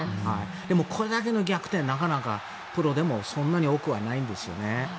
でも、これだけの逆転はなかなかプロでもそんなに多くはないんですよね。